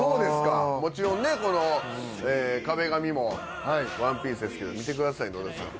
もちろんこの壁紙も『ワンピース』ですけど見てください野田さん。